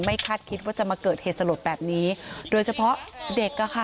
คาดคิดว่าจะมาเกิดเหตุสลดแบบนี้โดยเฉพาะเด็กอ่ะค่ะ